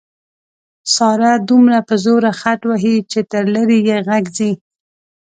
ساره دومره په زوره خټ وهي چې تر لرې یې غږ ځي.